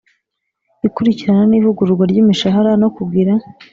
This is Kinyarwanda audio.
ikurikirana n ivugururwa ry imishahara no kugira